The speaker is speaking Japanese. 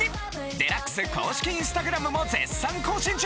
『ＤＸ』公式インスタグラムも絶賛更新中！